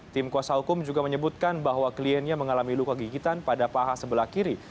tim kuasa hukum juga menyebutkan bahwa kliennya mengalami luka gigitan pada paha sebelah kiri